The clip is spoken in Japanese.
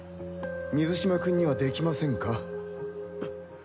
水嶋君には出来ませんか？